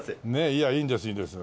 いやいいんですいいんです。